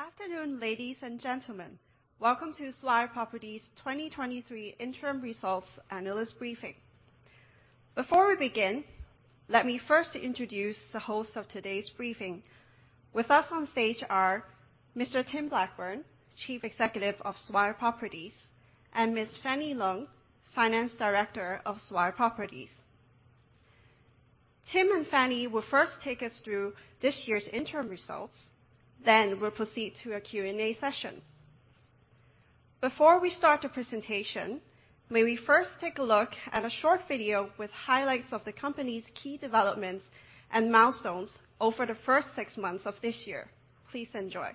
Good afternoon, ladies and gentlemen. Welcome to Swire Properties 2023 Interim Results Analyst Briefing. Before we begin, let me first introduce the host of today's briefing. With us on stage are Mr. Tim Blackburn, Chief Executive of Swire Properties, and Ms. Fanny Lung, Finance Director of Swire Properties. Tim and Fanny will first take us through this year's interim results, then we'll proceed to a Q&A session. Before we start the presentation, may we first take a look at a short video with highlights of the company's key developments and milestones over the first six months of this year. Please enjoy.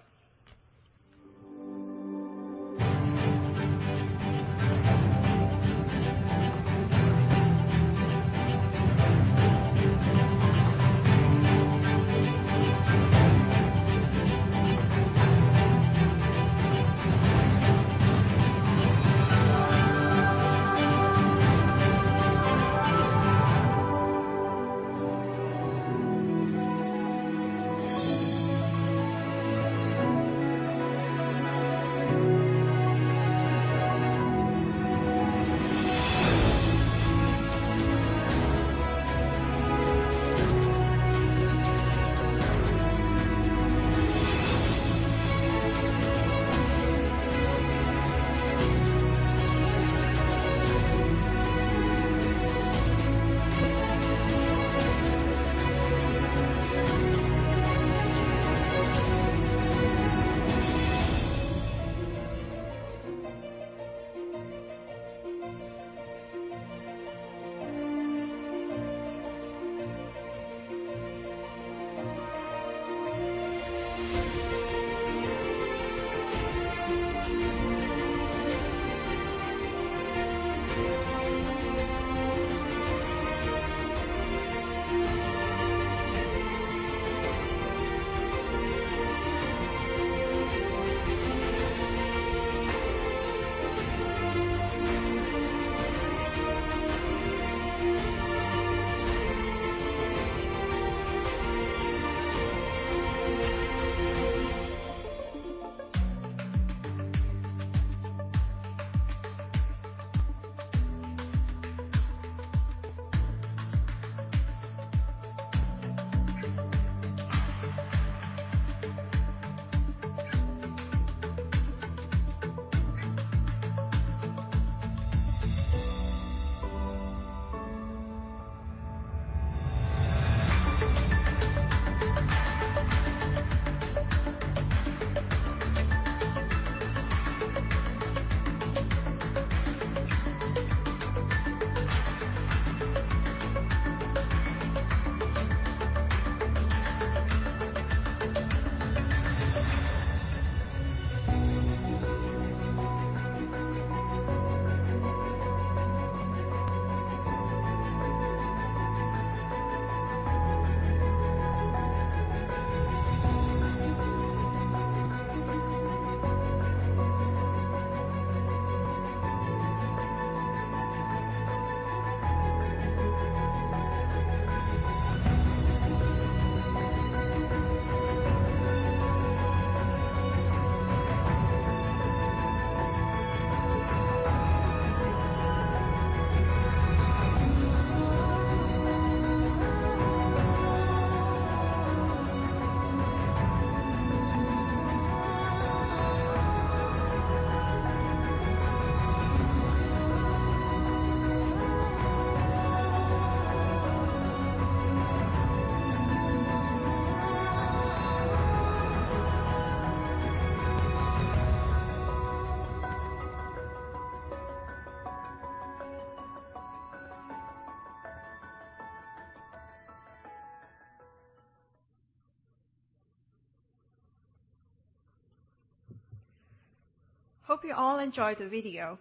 Hope you all enjoyed the video.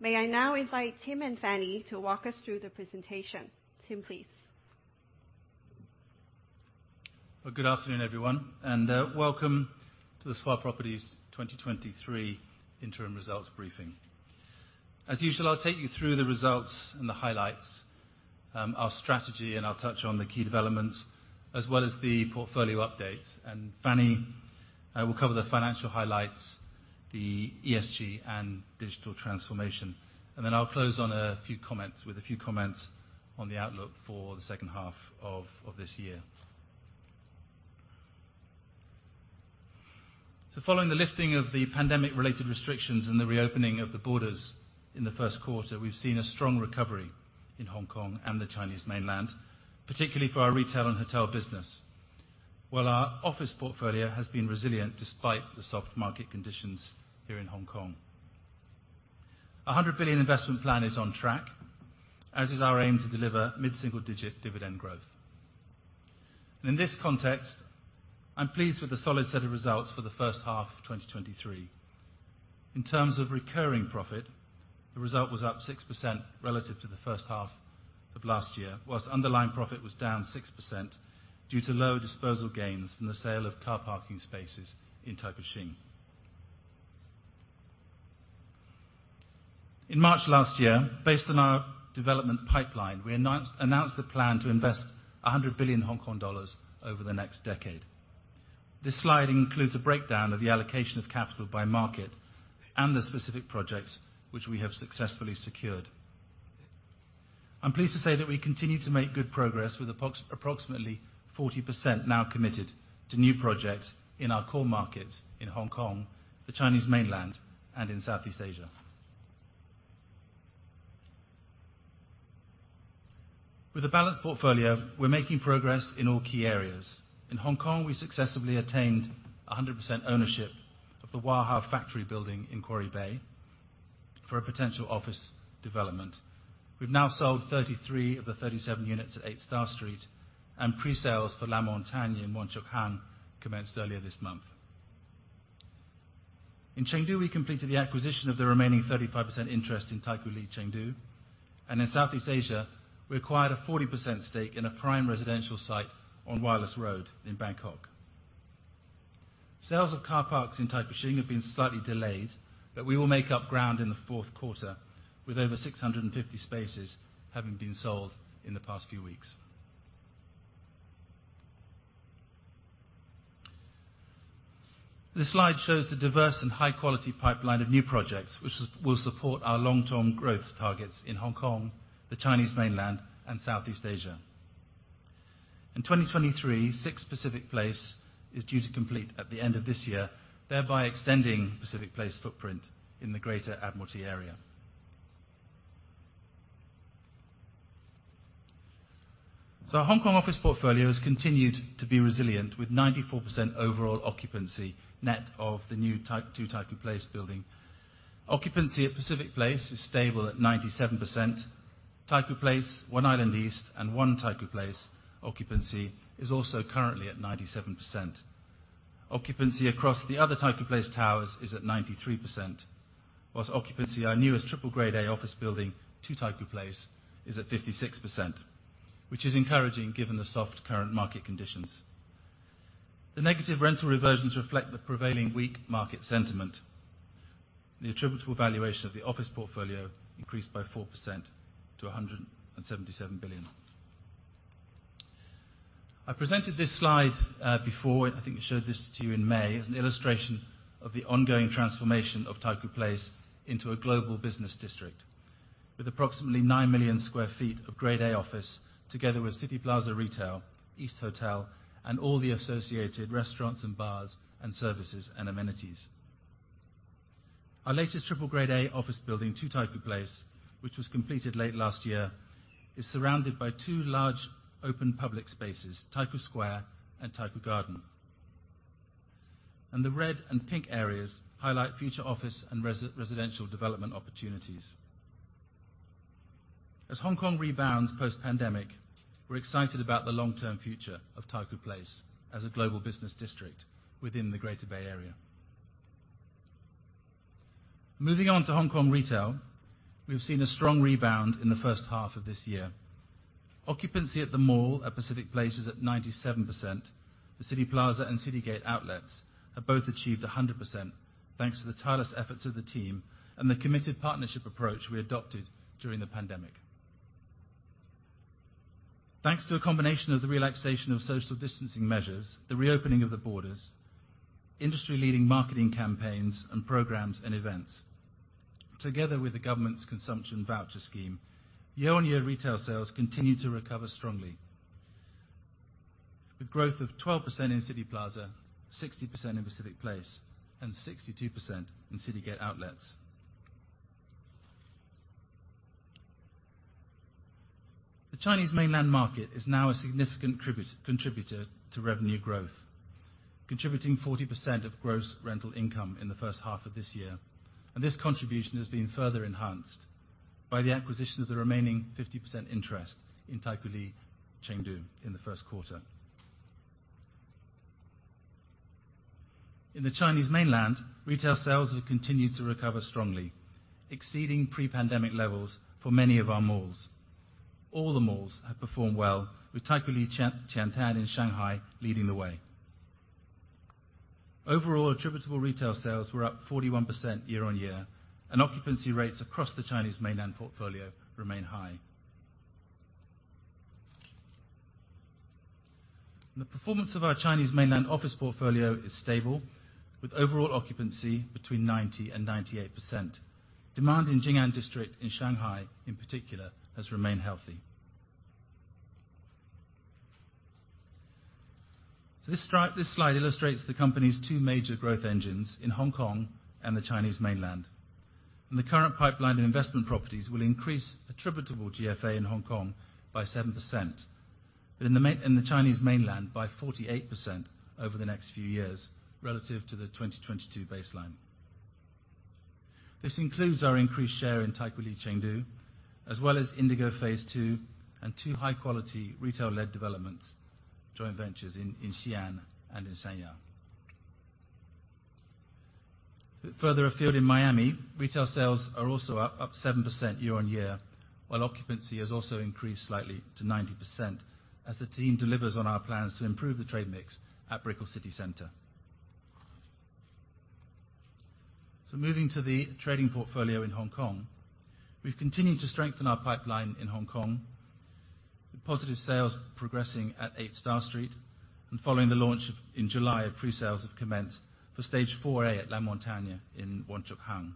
May I now invite Tim and Fanny to walk us through the presentation. Tim, please. Well, good afternoon, everyone, and welcome to the Swire Properties 2023 Interim Results Briefing. As usual, I'll take you through the results and the highlights, our strategy, and I'll touch on the key developments, as well as the portfolio updates. Fanny will cover the financial highlights, the ESG and digital transformation, then I'll close on a few comments with a few comments on the outlook for the second half of this year. Following the lifting of the pandemic-related restrictions and the reopening of the borders in the first quarter, we've seen a strong recovery in Hong Kong and the Chinese mainland, particularly for our retail and hotel business, while our office portfolio has been resilient despite the soft market conditions here in Hong Kong. 100 billion investment plan is on track, as is our aim to deliver mid-single-digit dividend growth. In this context, I'm pleased with the solid set of results for the first half of 2023. In terms of recurring profit, the result was up 6% relative to the first half of last year, whilst underlying profit was down 6% due to lower disposal gains from the sale of car parking spaces in Taikoo Shing. In March last year, based on our development pipeline, we announced the plan to invest 100 billion Hong Kong dollars over the next decade. This slide includes a breakdown of the allocation of capital by market and the specific projects which we have successfully secured. I'm pleased to say that we continue to make good progress with approximately 40% now committed to new projects in our core markets in Hong Kong, the Chinese Mainland, and in Southeast Asia. With a balanced portfolio, we're making progress in all key areas. In Hong Kong, we successfully attained 100% ownership of the Wah Ha Factory Building in Quarry Bay for a potential office development. We've now sold 33 of the 37 units at Eight Star Street, and presales for La Montagne in Wong Chuk Hang commenced earlier this month. In Chengdu, we completed the acquisition of the remaining 35% interest in Taikoo Li Chengdu, and in Southeast Asia, we acquired a 40% stake in a prime residential site on Wireless Road in Bangkok. Sales of car parks in Taikoo Shing have been slightly delayed, but we will make up ground in the fourth quarter, with over 650 spaces having been sold in the past few weeks. This slide shows the diverse and high-quality pipeline of new projects, which will support our long-term growth targets in Hong Kong, the Chinese Mainland, and Southeast Asia. In 2023, Six Pacific Place is due to complete at the end of this year, thereby extending Pacific Place footprint in the Greater Admiralty area. Our Hong Kong office portfolio has continued to be resilient, with 94% overall occupancy, net of the new Two Taikoo Place building. Occupancy at Pacific Place is stable at 97%. Taikoo Place, One Island East, and One Taikoo Place occupancy is also currently at 97%. Occupancy across the other Taikoo Place towers is at 93%, whilst occupancy at our newest triple Grade A office building, Two Taikoo Place, is at 56%, which is encouraging given the soft current market conditions. The negative rental reversions reflect the prevailing weak market sentiment. The attributable valuation of the office portfolio increased by 4% to 177 billion. I presented this slide before, I think we showed this to you in May, as an illustration of the ongoing transformation of Taikoo Place into a global business district with approximately nine million sq ft of Grade A office, together with Cityplaza retail, EAST Hotel, and all the associated restaurants and bars and services and amenities. Our latest triple Grade A office building, Two Taikoo Place, which was completed late last year, is surrounded by two large open public spaces, Taikoo Square and Taikoo Garden. The red and pink areas highlight future office and residential development opportunities. As Hong Kong rebounds post-pandemic, we're excited about the long-term future of Taikoo Place as a global business district within the Greater Bay Area. Moving on to Hong Kong retail, we've seen a strong rebound in the first half of this year. Occupancy at the mall at Pacific Place is at 97%. The Cityplaza and Citygate Outlets have both achieved 100%, thanks to the tireless efforts of the team and the committed partnership approach we adopted during the pandemic. Thanks to a combination of the relaxation of social distancing measures, the reopening of the borders, industry-leading marketing campaigns and programs and events, together with the government's consumption voucher scheme, year-on-year retail sales continued to recover strongly, with growth of 12% in Cityplaza, 60% in Pacific Place, and 62% in Citygate Outlets. The Chinese mainland market is now a significant contributor to revenue growth, contributing 40% of gross rental income in the first half of this year. This contribution has been further enhanced by the acquisition of the remaining 50% interest in Taikoo Li Chengdu in the first quarter. In the Chinese mainland, retail sales have continued to recover strongly, exceeding pre-pandemic levels for many of our malls. All the malls have performed well, with Taikoo Li Qiantan in Shanghai leading the way. Overall, attributable retail sales were up 41% year on year, and occupancy rates across the Chinese mainland portfolio remain high. The performance of our Chinese mainland office portfolio is stable, with overall occupancy between 90% and 98%. Demand in Jing'an District in Shanghai, in particular, has remained healthy. This slide, this slide illustrates the company's two major growth engines in Hong Kong and the Chinese Mainland. The current pipeline of investment properties will increase attributable GFA in Hong Kong by 7%, but in the Chinese Mainland, by 48% over the next few years relative to the 2022 baseline. This includes our increased share in Taikoo Li Chengdu, as well as INDIGO Phase Two and two high-quality retail-led developments, joint ventures in Xi'an and in Sanya. Further afield in Miami, retail sales are also up, up 7% year-on-year, while occupancy has also increased slightly to 90% as the team delivers on our plans to improve the trade mix at Brickell City Centre. Moving to the trading portfolio in Hong Kong, we've continued to strengthen our pipeline in Hong Kong, with positive sales progressing at Eight Star Street, and following the launch in July, pre-sales have commenced for Stage 4A at La Montagne in Wong Chuk Hang.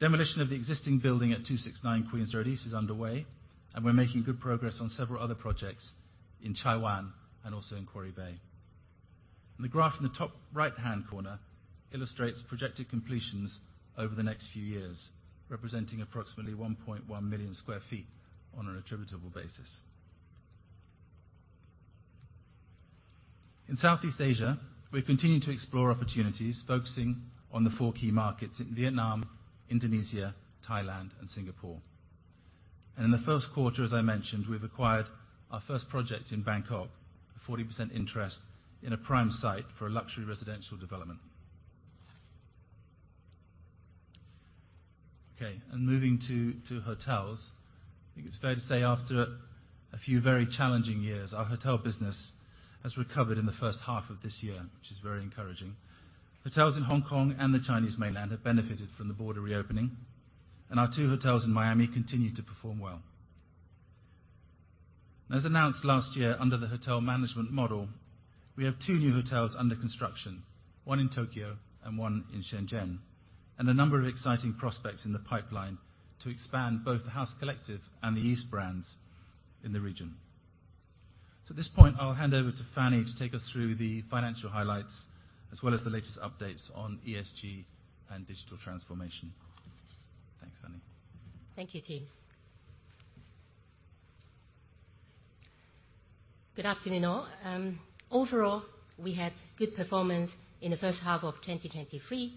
Demolition of the existing building at 269 Queen's Road East is underway. We're making good progress on several other projects in Chai Wan and also in Quarry Bay. The graph in the top right-hand corner illustrates projected completions over the next few years, representing approximately 1.1 million sq ft on an attributable basis. In Southeast Asia, we've continued to explore opportunities, focusing on the four key markets in Vietnam, Indonesia, Thailand, and Singapore. In the first quarter, as I mentioned, we've acquired our first project in Bangkok, a 40% interest in a prime site for a luxury residential development. Moving to hotels. I think it's fair to say after a few very challenging years, our hotel business has recovered in the first half of this year, which is very encouraging. Hotels in Hong Kong and the Chinese mainland have benefited from the border reopening, and our two hotels in Miami continue to perform well. As announced last year under the hotel management model, we have two new hotels under construction, one in Tokyo and one in Shenzhen, and a number of exciting prospects in the pipeline to expand both the House Collective and the EAST brands in the region. At this point, I'll hand over to Fanny to take us through the financial highlights, as well as the latest updates on ESG and digital transformation. Thanks, Fanny. Thank you, Tim. Good afternoon, all. Overall, we had good performance in the first half of 2023.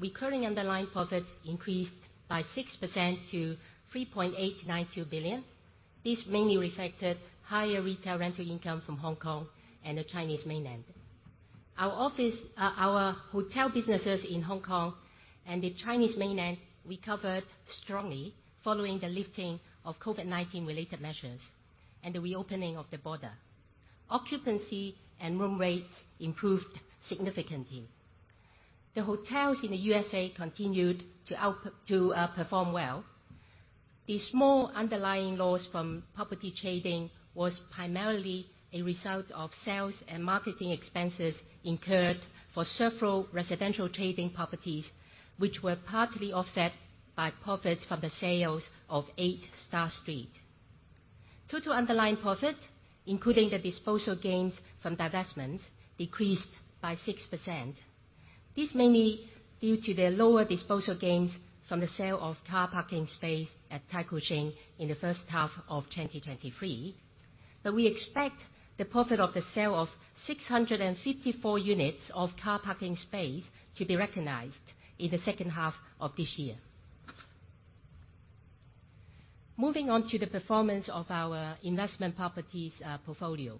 Recurring underlying profit increased by 6% to 3.892 billion. This mainly reflected higher retail rental income from Hong Kong and the Chinese Mainland. Our office, our hotel businesses in Hong Kong and the Chinese Mainland recovered strongly following the lifting of COVID-19 related measures and the reopening of the border. Occupancy and room rates improved significantly. The hotels in the USA continued to perform well. The small underlying loss from property trading was primarily a result of sales and marketing expenses incurred for several residential trading properties, which were partly offset by profits from the sales of Eight Star Street. Total underlying profit, including the disposal gains from divestments, decreased by 6%. This is mainly due to the lower disposal gains from the sale of car parking space at Taikoo Shing in the first half of 2023, but we expect the profit of the sale of 654 units of car parking space to be recognized in the second half of this year. Moving on to the performance of our investment properties portfolio.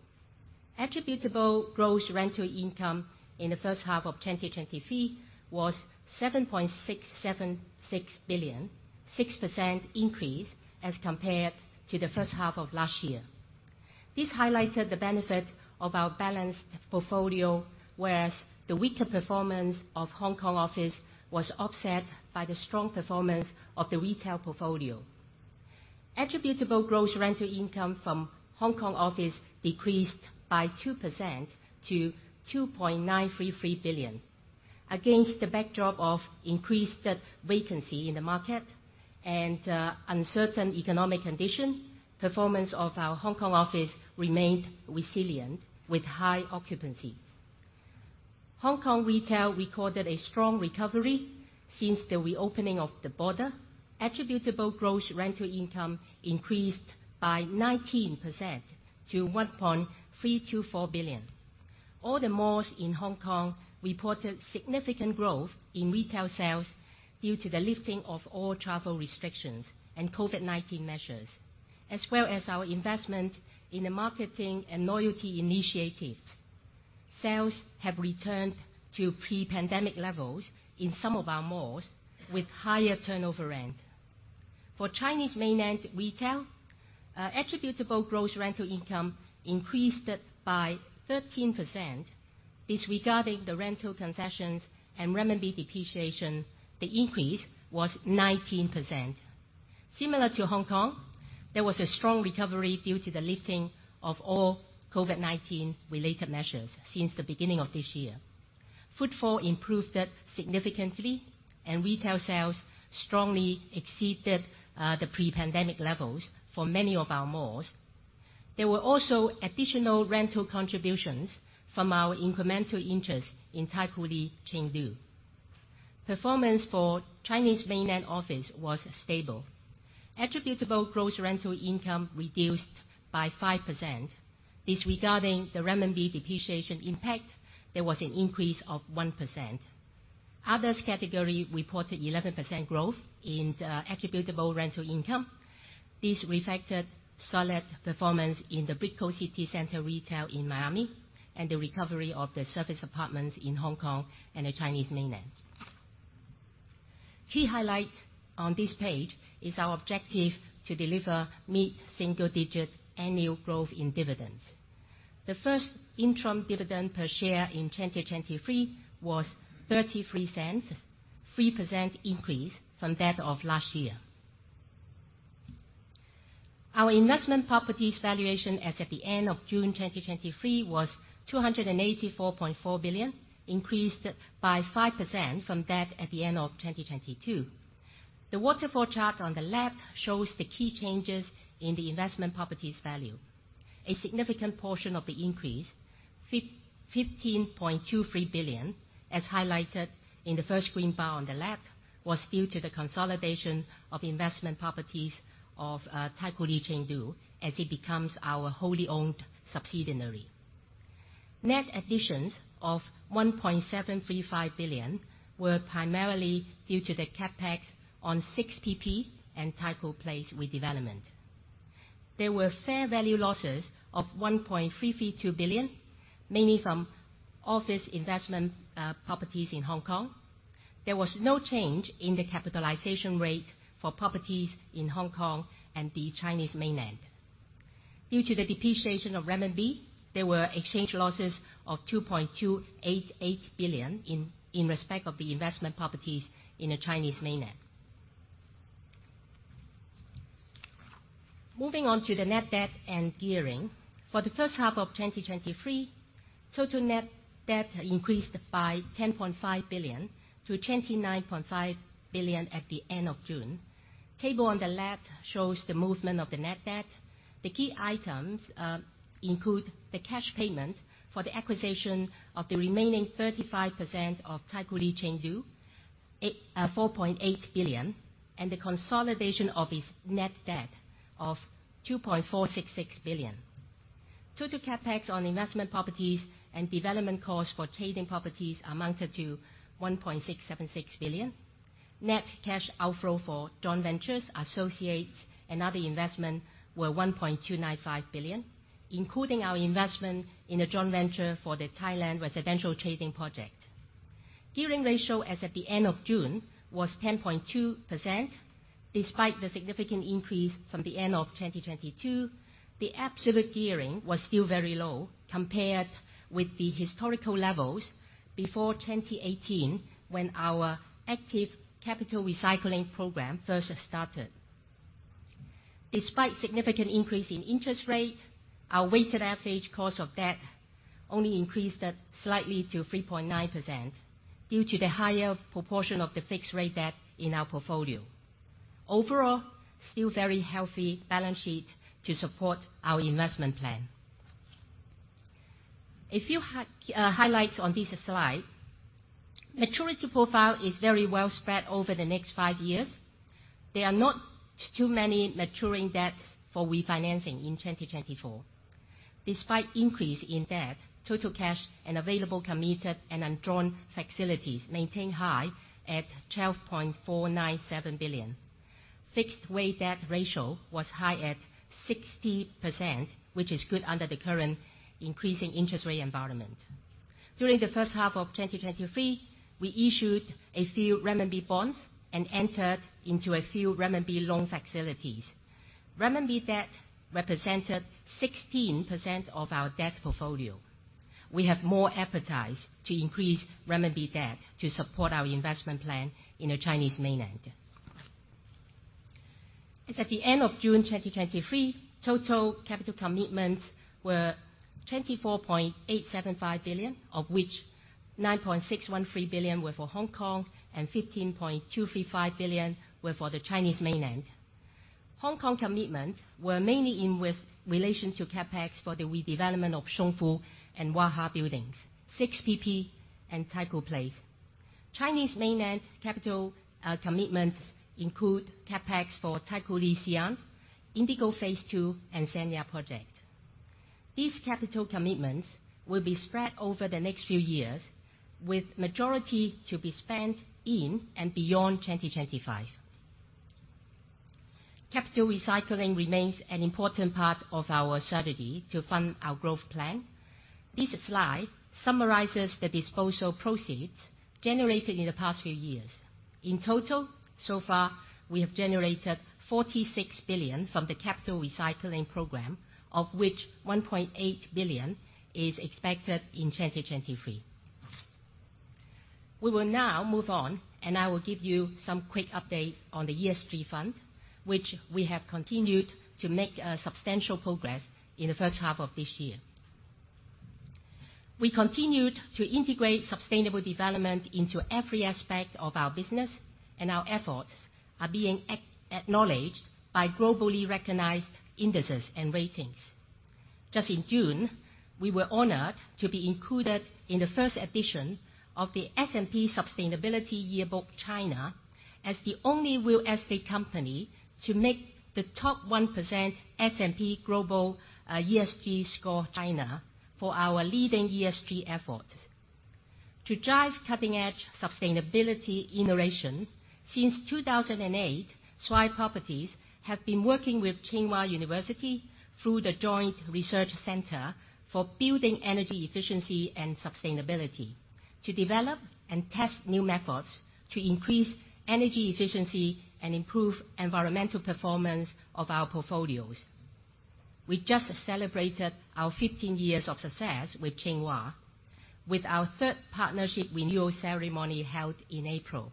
Attributable gross rental income in the first half of 2023 was 7.676 billion, 6% increase as compared to the first half of last year. This highlighted the benefit of our balanced portfolio, whereas the weaker performance of Hong Kong office was offset by the strong performance of the retail portfolio. Attributable gross rental income from Hong Kong office decreased by 2% to 2.933 billion. Against the backdrop of increased vacancy in the market and uncertain economic condition, performance of our Hong Kong office remained resilient, with high occupancy. Hong Kong retail recorded a strong recovery since the reopening of the border. Attributable gross rental income increased by 19% to 1.324 billion. All the malls in Hong Kong reported significant growth in retail sales due to the lifting of all travel restrictions and COVID-19 measures, as well as our investment in the marketing and loyalty initiatives. Sales have returned to pre-pandemic levels in some of our malls, with higher turnover rent. For Chinese Mainland retail, attributable gross rental income increased by 13%. Disregarding the rental concessions and renminbi depreciation, the increase was 19%. Similar to Hong Kong, there was a strong recovery due to the lifting of all COVID-19 related measures since the beginning of this year. Footfall improved significantly, and retail sales strongly exceeded the pre-pandemic levels for many of our malls. There were also additional rental contributions from our incremental interest in Taikoo Li, Chengdu. Performance for Chinese Mainland office was stable. Attributable gross rental income reduced by 5%. Disregarding the renminbi depreciation impact, there was an increase of 1%. Others category reported 11% growth in the attributable rental income. This reflected solid performance in the Brickell City Centre retail in Miami and the recovery of the service apartments in Hong Kong and the Chinese Mainland. Key highlight on this page is our objective to deliver mid-single digit annual growth in dividends. The first interim dividend per share in 2023 was 0.33, a 3% increase from that of last year. Our investment properties valuation as at the end of June 2023 was 284.4 billion, increased by 5% from that at the end of 2022. The waterfall chart on the left shows the key changes in the investment properties value. A significant portion of the increase, 15.23 billion, as highlighted in the first green bar on the left, was due to the consolidation of investment properties of Taikoo Li Chengdu as it becomes our wholly owned subsidiary. Net additions of 1.735 billion were primarily due to the CapEx on 6 PP and Taikoo Place redevelopment. There were fair value losses of 1.332 billion, mainly from office investment properties in Hong Kong. There was no change in the capitalization rate for properties in Hong Kong and the Chinese mainland. Due to the depreciation of renminbi, there were exchange losses of 2.288 billion in respect of the investment properties in the Chinese mainland. Moving on to the net debt and gearing. For the first half of 2023, total net debt increased by 10.5 billion to 29.5 billion at the end of June. Table on the left shows the movement of the net debt. The key items include the cash payment for the acquisition of the remaining 35% of Taikoo Li Chengdu, 4.8 billion, and the consolidation of its net debt of 2.466 billion. Total CapEx on investment properties and development costs for trading properties amounted to 1.676 billion. Net cash outflow for joint ventures, associates, and other investment were 1.295 billion, including our investment in a joint venture for the Thailand residential trading project. Gearing ratio as at the end of June was 10.2%. Despite the significant increase from the end of 2022, the absolute gearing was still very low compared with the historical levels before 2018, when our active capital recycling program first started. Despite significant increase in interest rate, our weighted average cost of debt only increased at slightly to 3.9% due to the higher proportion of the fixed rate debt in our portfolio. Overall, still very healthy balance sheet to support our investment plan. A few high highlights on this slide. Maturity profile is very well spread over the next five years. There are not too many maturing debts for refinancing in 2024. Despite increase in debt, total cash and available committed and undrawn facilities maintain high at 12.497 billion. Fixed-rate debt ratio was high at 60%, which is good under the current increasing interest rate environment. During the first half of 2023, we issued a few renminbi bonds and entered into a few renminbi loan facilities. Renminbi debt represented 16% of our debt portfolio. We have more appetite to increase renminbi debt to support our investment plan in the Chinese mainland. As at the end of June 2023, total capital commitments were 24.875 billion, of which 9.613 billion were for Hong Kong and 15.235 billion were for the Chinese mainland. Hong Kong commitments were mainly in with relation to CapEx for the redevelopment of Zung Fu and Wah Ha buildings, Six Pacific Place and Taikoo Place. Chinese mainland capital commitments include CapEx for Taikoo Li Xi'an, INDIGO Phase Two, and Sanya project. These capital commitments will be spread over the next few years, with majority to be spent in and beyond 2025. Capital recycling remains an important part of our strategy to fund our growth plan. This slide summarizes the disposal proceeds generated in the past few years. In total, so far, we have generated $46 billion from the capital recycling program, of which $1.8 billion is expected in 2023. We will now move on. I will give you some quick updates on the ESG front, which we have continued to make substantial progress in the first half of this year. We continued to integrate sustainable development into every aspect of our business, and our efforts are being acknowledged by globally recognized indices and ratings. Just in June, we were honored to be included in the first edition of the S&P Sustainability Yearbook China as the only real estate company to make the top 1% S&P Global ESG Score China for our leading ESG efforts. To drive cutting-edge sustainability innovation, since 2008, Swire Properties have been working with Tsinghua University through the Joint Research Centre for Building Energy Efficiency and Sustainability, to develop and test new methods to increase energy efficiency and improve environmental performance of our portfolios. We just celebrated our 15 years of success with Tsinghua, with our third partnership renewal ceremony held in April,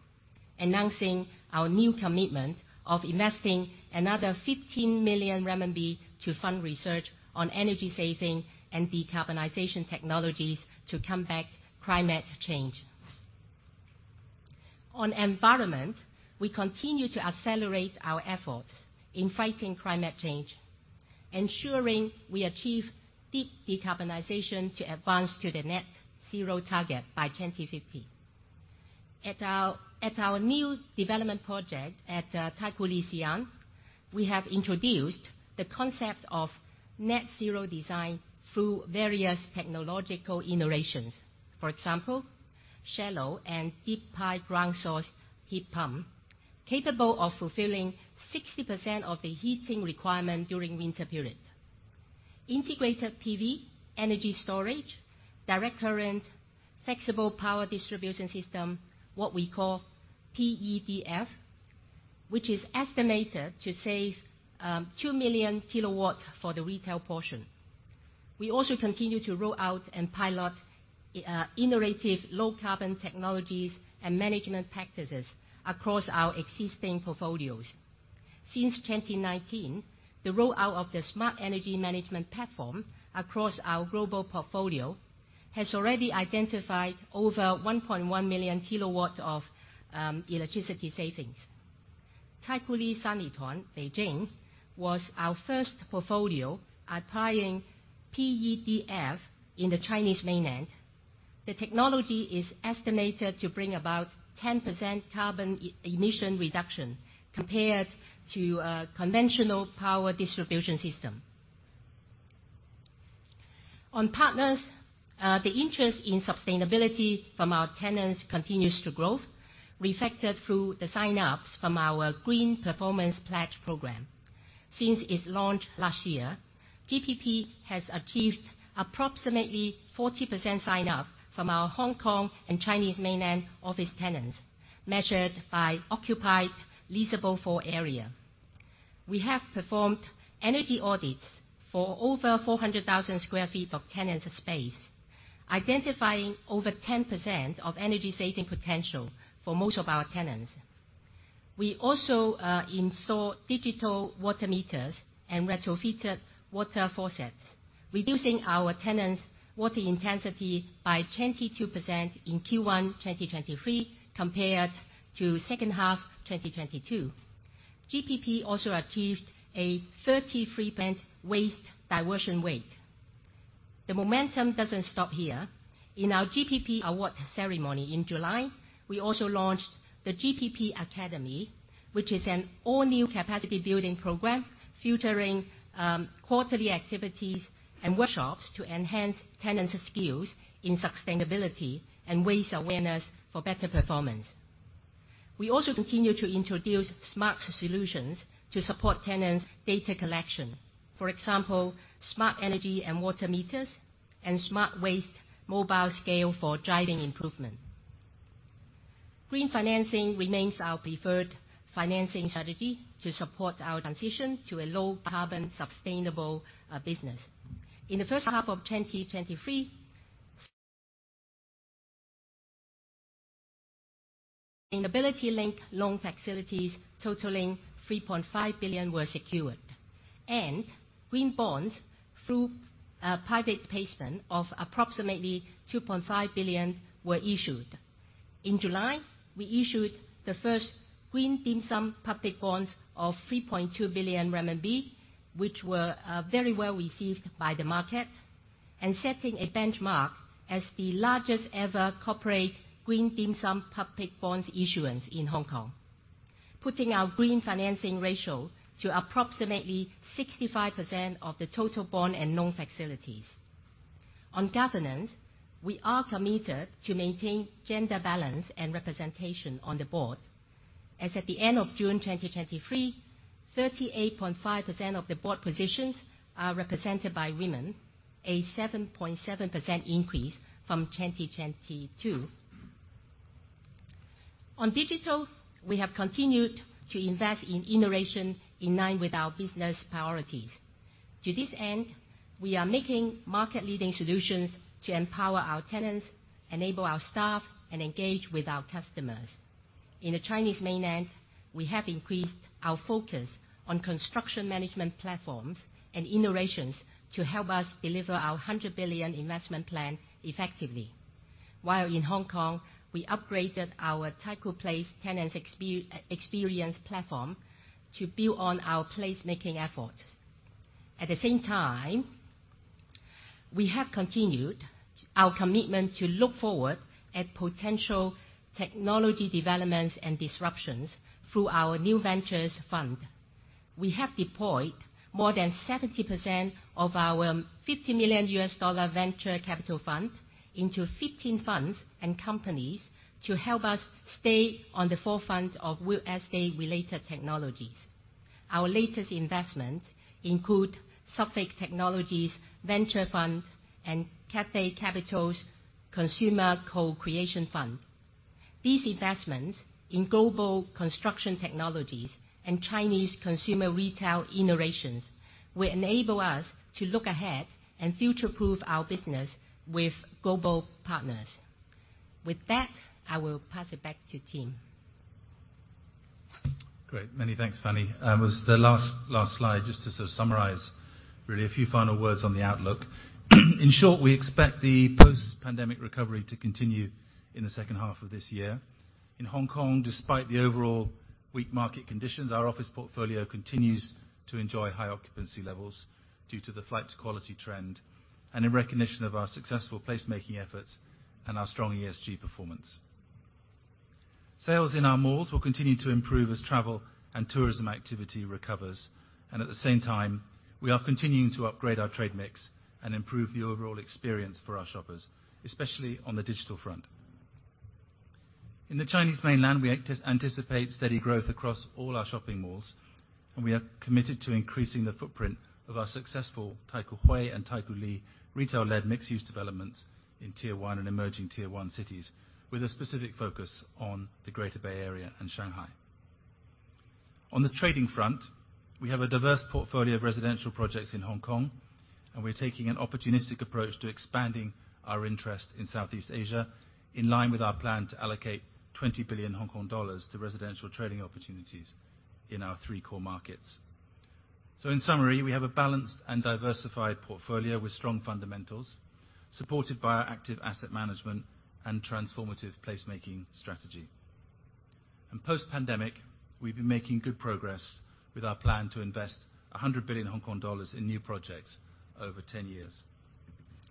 announcing our new commitment of investing another 15 million RMB to fund research on energy saving and decarbonization technologies to combat climate change. On environment, we continue to accelerate our efforts in fighting climate change, ensuring we achieve deep decarbonization to advance to the net zero target by 2050. At our new development project at Taikoo Li Xi'an, we have introduced the concept of net zero design through various technological innovations. For example, shallow and deep-pile ground source heat pump, capable of fulfilling 60% of the heating requirement during winter period. Integrated PV, energy storage, direct current, flexible power distribution system, what we call PEDF, which is estimated to save two million kilowatts for the retail portion. We also continue to roll out and pilot innovative low carbon technologies and management practices across our existing portfolios. Since 2019, the rollout of the Smart Energy Management platform across our global portfolio has already identified over 1.1 million kilowatts of electricity savings. Taikoo Li Sanlitun, Beijing, was our first portfolio applying PEDF in the Chinese mainland. The technology is estimated to bring about 10% carbon e- emission reduction compared to a conventional power distribution system. On partners, the interest in sustainability from our tenants continues to grow, reflected through the sign-ups from our Green Performance Pledge program. Since its launch last year, GPP has achieved approximately 40% sign-up from our Hong Kong and Chinese mainland office tenants, measured by occupied leasable floor area. We have performed energy audits for over 400,000 sq ft of tenant space, identifying over 10% of energy saving potential for most of our tenants. We also install digital water meters and retrofitted water faucets, reducing our tenants' water intensity by 22% in Q1 2023, compared to second half 2022. GPP also achieved a 33% waste diversion weight. The momentum doesn't stop here. In our GPP award ceremony in July, we also launched the GPP Academy, which is an all-new capacity building program featuring quarterly activities and workshops to enhance tenants' skills in sustainability and waste awareness for better performance. We also continue to introduce smart solutions to support tenants' data collection. For example, smart energy and water meters, and smart waste mobile scale for driving improvement. Green financing remains our preferred financing strategy to support our transition to a low-carbon, sustainable business. In the first half of 2023, sustainability-linked loan facilities totaling 3.5 billion were secured, and green bonds through private placement of approximately 2.5 billion were issued. In July, we issued the first green dim sum public bonds of 3.2 billion RMB, which were very well received by the market, and setting a benchmark as the largest-ever corporate green dim sum public bonds issuance in Hong Kong, putting our green financing ratio to approximately 65% of the total bond and loan facilities. On governance, we are committed to maintain gender balance and representation on the board, as at the end of June 2023, 38.5% of the board positions are represented by women, a 7.7% increase from 2022. On digital, we have continued to invest in innovation in line with our business priorities. To this end, we are making market-leading solutions to empower our tenants, enable our staff, and engage with our customers. In the Chinese mainland, we have increased our focus on construction management platforms and innovations to help us deliver our $100 billion investment plan effectively. While in Hong Kong, we upgraded our Taikoo Place Tenant Experience platform to build on our placemaking efforts. At the same time, we have continued our commitment to look forward at potential technology developments and disruptions through our new ventures fund. We have deployed more than 70% of our $50 million venture capital fund into 15 funds and companies to help us stay on the forefront of real estate-related technologies. Our latest investment include Suffolk Technologies Venture Fund and Cathay Capital's Consumer Co-creation Fund. These investments in global construction technologies and Chinese consumer retail innovations will enable us to look ahead and future-proof our business with global partners. With that, I will pass it back to Tim. Great. Many thanks, Fanny. As the last, last slide, just to sort of summarize, really a few final words on the outlook. In short, we expect the post-pandemic recovery to continue in the second half of this year. In Hong Kong, despite the overall weak market conditions, our office portfolio continues to enjoy high occupancy levels due to the flight to quality trend and in recognition of our successful placemaking efforts and our strong ESG performance. Sales in our malls will continue to improve as travel and tourism activity recovers, and at the same time, we are continuing to upgrade our trade mix and improve the overall experience for our shoppers, especially on the digital front. In the Chinese mainland, we anticipate steady growth across all our shopping malls, and we are committed to increasing the footprint of our successful Taikoo Hui and Taikoo Li retail-led mixed-use developments in Tier One and emerging Tier One cities, with a specific focus on the Greater Bay Area and Shanghai. On the trading front, we have a diverse portfolio of residential projects in Hong Kong, and we're taking an opportunistic approach to expanding our interest in Southeast Asia, in line with our plan to allocate 20 billion Hong Kong dollars to residential trading opportunities in our three core markets. In summary, we have a balanced and diversified portfolio with strong fundamentals, supported by our active asset management and transformative placemaking strategy. Post-pandemic, we've been making good progress with our plan to invest 100 billion Hong Kong dollars in new projects over 10 years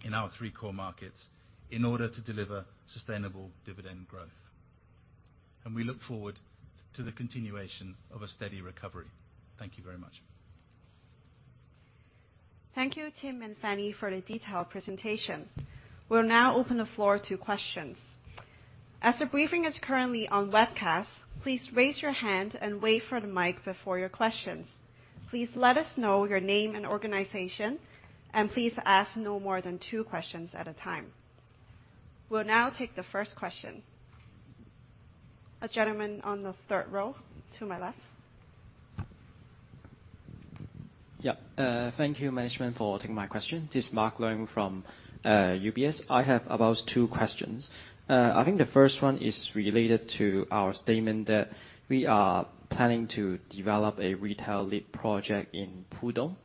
in our three core markets in order to deliver sustainable dividend growth. We look forward to the continuation of a steady recovery. Thank you very much. Thank you, Tim and Fanny, for the detailed presentation. We'll now open the floor to questions. As the briefing is currently on webcast, please raise your hand and wait for the mic before your questions. Please let us know your name and organization, and please ask no more than two questions at a time. We'll now take the first question. A gentleman on the third row, to my left. Yeah, thank you, management, for taking my question. This is Mark Leung from UBS. I have about two questions. I think the first one is related to our statement that we are planning to develop a retail lead project in Qiantan, in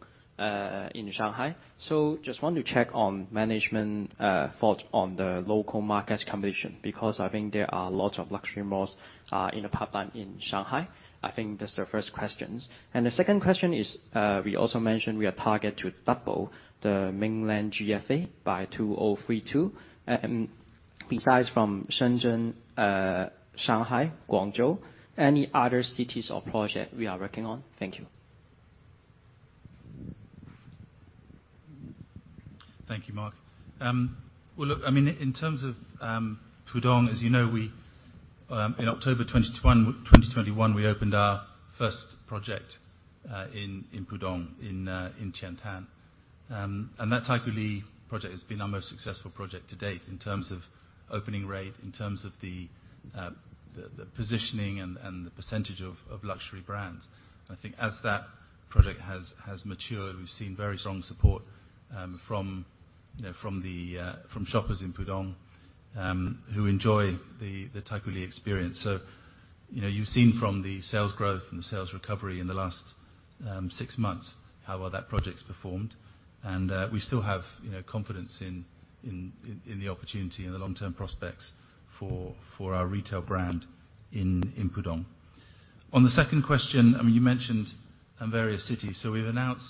Shanghai. Just want to check on management thought on the local market competition, because I think there are lots of luxury malls in the pipeline in Shanghai. I think that's the first questions. The second question is, we also mentioned we are target to double the mainland GFA by 2032. Besides from Shenzhen, Shanghai, Guangzhou, any other cities or project we are working on? Thank you. Thank you, Mark. Well, look, I mean, in terms of Qiantan, as you know, we... In October 2021, we opened our first project in Qiantan, in Qiantan. That Taikoo Li project has been our most successful project to date in terms of opening rate, in terms of the positioning and the percentage of luxury brands. I think as that project has matured, we've seen very strong support from, you know, from the shoppers in Qiantan who enjoy the Taikoo Li experience. You know, you've seen from the sales growth and the sales recovery in the last sitwo months, how well that project's performed. We still have, you, confidence in, in, in the opportunity and the long-term prospects for, for our retail brand in, in Qiantan. On the second question, I mean, you mentioned various cities, so we've announced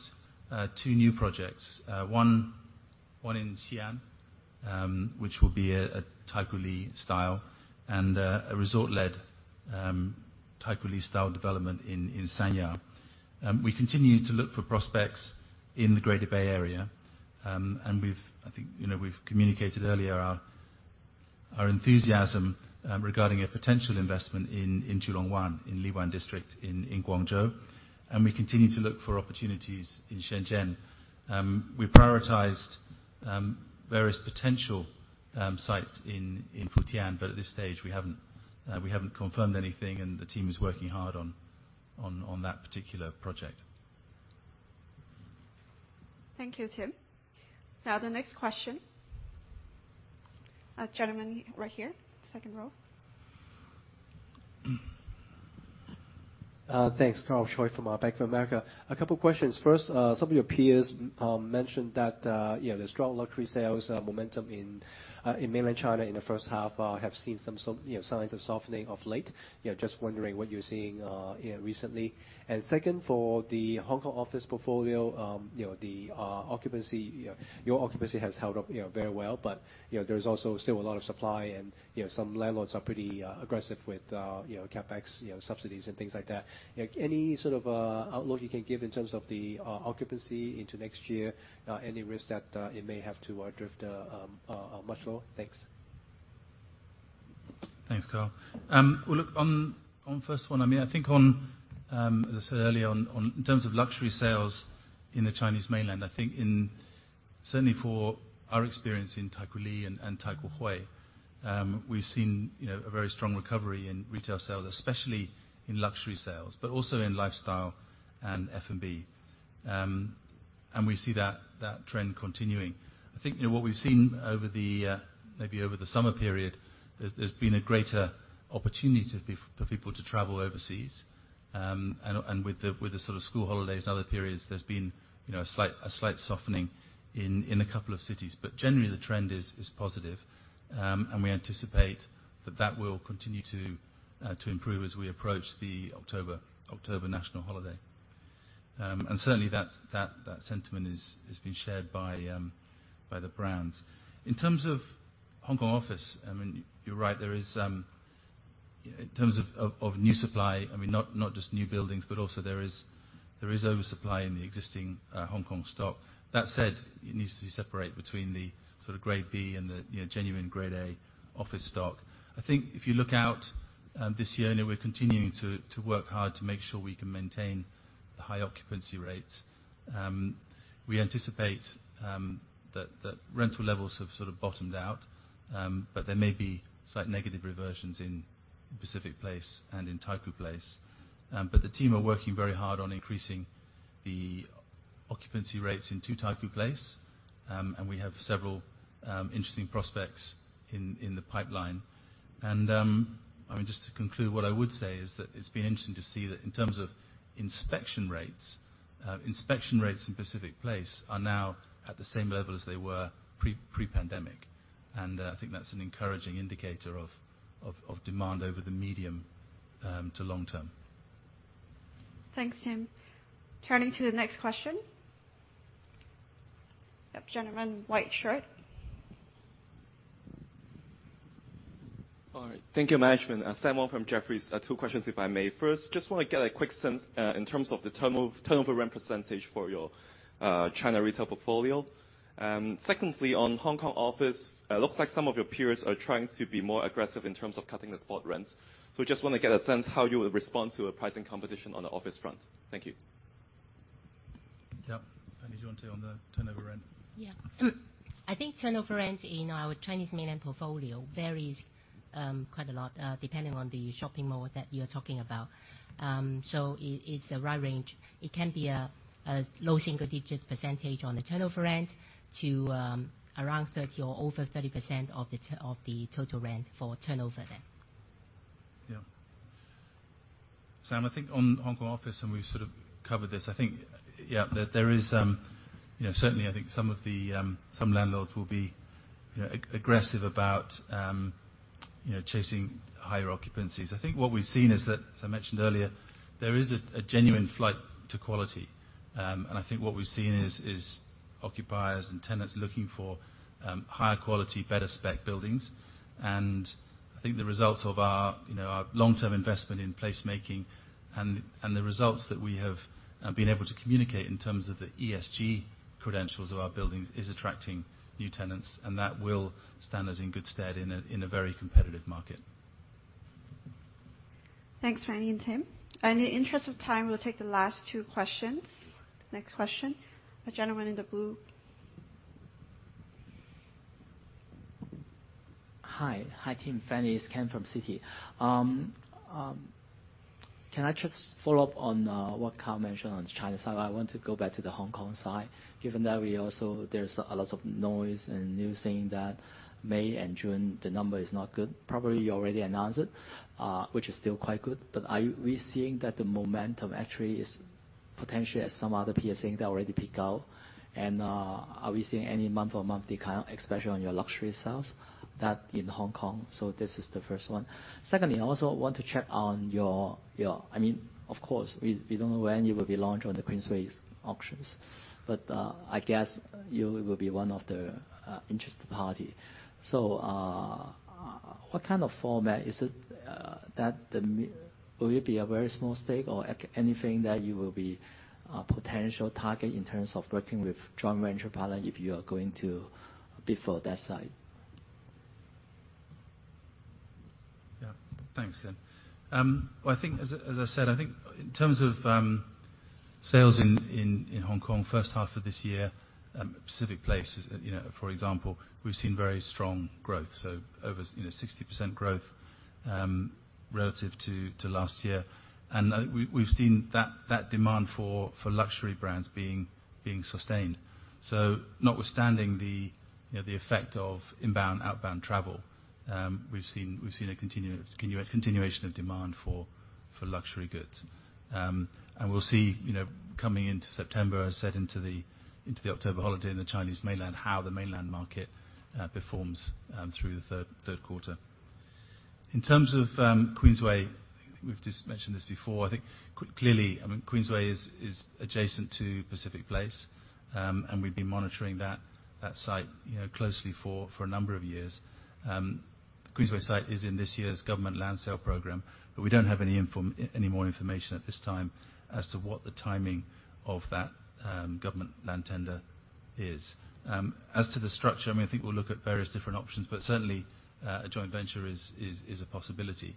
two new projects, one, one in Xi'an, which will be a, a Taikoo Li style and a resort-led Taikoo Li style development in, in Sanya. We continue to look for prospects in the Greater Bay Area, and we've, I think, you know, we've communicated earlier our, our enthusiasm regarding a potential investment in, in Julongwan, in Liwan District, in, in Guangzhou, and we continue to look for opportunities in Shenzhen. We prioritized various potential sites in, in Futian, but at this stage, we haven't, we haven't confirmed anything, and the team is working hard on, on, on that particular project. Thank you, Tim. Now, the next question. A gentleman right here, second row. Thanks. Karl Choi from Bank of America. A couple questions. First, some of your peers mentioned that, you know, the strong luxury sales momentum in mainland China in the first half have seen some so, you know, signs of softening of late. You know, just wondering what you're seeing, you know, recently. Second, for the Hong Kong office portfolio, you know, the occupancy, you know, your occupancy has held up, you know, very well, but, you know, there's also still a lot of supply, and, you know, some landlords are pretty aggressive with, you know, CapEx, you know, subsidies and things like that. Yeah, any sort of outlook you can give in terms of the occupancy into next year? Any risk that it may have to drift much lower? Thanks. Thanks, Carl. Well, look, on, on first one, I mean, I think on, as I said earlier, on, on, in terms of luxury sales in the Chinese mainland, Certainly for our experience in Taikoo Li and, and Taikoo Hui, we've seen, you know, a very strong recovery in retail sales, especially in luxury sales, but also in lifestyle and F&B. We see that, that trend continuing. I think, you know, what we've seen over the, maybe over the summer period, there's, there's been a greater opportunity for for people to travel overseas. With the, with the sort of school holidays and other periods, there's been, you know, a slight, a slight softening in, in a couple of cities. Generally, the trend is, is positive. We anticipate that that will continue to improve as we approach the October, October national holiday. Certainly, that, that, that sentiment is, is being shared by the brands. In terms of Hong Kong office, you're right, there is in terms of new supply, not just new buildings, but also there is oversupply in the existing Hong Kong stock. That said, it needs to be separate between the sort of Grade B and the, you know, genuine Grade A office stock. I think if you look out this year, I know we're continuing to work hard to make sure we can maintain the high occupancy rates. We anticipate that, that rental levels have sort of bottomed out, but there may be slight negative reversions in Pacific Place and in Taikoo Place. The team are working very hard on increasing the occupancy rates in Two Taikoo Place, and we have several interesting prospects in, in the pipeline. I mean, just to conclude, what I would say is that it's been interesting to see that in terms of inspection rates, inspection rates in Pacific Place are now at the same level as they were pre- pre-pandemic. I think that's an encouraging indicator of, of, of demand over the medium to long term. Thanks, Tim. Turning to the next question. Yep, gentleman, white shirt. All right. Thank you, management. Sam Wong from Jefferies. Two questions, if I may. First, just want to get a quick sense, in terms of the turnover, turnover rent % for your China retail portfolio. Secondly, on Hong Kong office, looks like some of your peers are trying to be more aggressive in terms of cutting the spot rents. Just want to get a sense how you would respond to a pricing competition on the office front. Thank you. Yeah. Fanny, do you want to on the turnover rent? Yeah. I think turnover rent in our Chinese mainland portfolio varies quite a lot, depending on the shopping mall that you're talking about. So it, it's a wide range. It can be a, a low single digits % on the turnover rent to around 30% or over 30% of the total rent for turnover rent. Yeah. Sam, I think on Hong Kong office, we've sort of covered this, I think, yeah, there, there is, you know, certainly I think some of the, some landlords will be, you know, aggressive about, you know, chasing higher occupancies. I think what we've seen is that, as I mentioned earlier, there is a, a genuine flight to quality. I think what we've seen is, is occupiers and tenants looking for higher quality, better spec buildings. I think the results of our, you know, our long-term investment in placemaking and, and the results that we have been able to communicate in terms of the ESG credentials of our buildings is attracting new tenants, and that will stand us in good stead in a, in a very competitive market. Thanks, Fanny and Tim. In the interest of time, we'll take the last two questions. Next question, the gentleman in the blue. Hi. Hi, Tim, Fanny. It's Ken from Citi. Can I just follow up on what Karl mentioned on the China side? I want to go back to the Hong Kong side. Given that there's a lot of noise and news saying that May and June, the number is not good. Probably you already announced it, which is still quite good. Are we seeing that the momentum actually is potentially, as some other peers saying, they already peak out? Are we seeing any month-over-month decline, especially on your luxury sales, that in Hong Kong? This is the first one. Secondly, I also want to check on your, I mean, of course, we, we don't know when you will be launched on the Queensway auctions, but I guess you will be one of the interested party. What kind of format is it, that the will it be a very small stake or anything that you will be a potential target in terms of working with joint venture partner if you are going to bid for that site? Yeah. Thanks, Ken. Well, I think as I, as I said, I think in terms of sales in, in, in Hong Kong first half of this year, Pacific Place, as, you know, for example, we've seen very strong growth, so over, you know, 60% growth, relative to last year. We, we've seen that, that demand for, for luxury brands being, being sustained. Notwithstanding the, you know, the effect of inbound, outbound travel, we've seen, we've seen a continuation of demand for, for luxury goods. We'll see, you know, coming into September, as I said, into the, into the October holiday in the Chinese mainland, how the mainland market performs through the third quarter. In terms of Queensway, we've just mentioned this before, I think clearly, I mean, Queensway is, is adjacent to Pacific Place, and we've been monitoring that, that site, you know, closely for, for a number of years. Queensway site is in this year's government land sale program, but we don't have any more information at this time as to what the timing of that government land tender is. As to the structure, I mean, I think we'll look at various different options, but certainly, a joint venture is, is, is a possibility.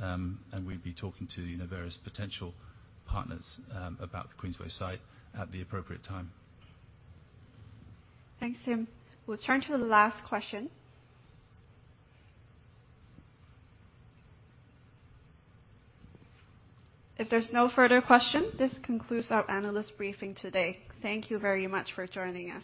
We'll be talking to, you know, various potential partners, about the Queensway site at the appropriate time. Thanks, Tim. We'll turn to the last question. If there's no further question, this concludes our analyst briefing today. Thank you very much for joining us.